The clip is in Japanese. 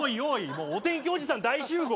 もうお天気おじさん大集合。